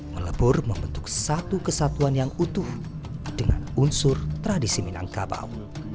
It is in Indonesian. melebur membentuk satu kesatuan yang utuh dengan unsur tradisi minangkabau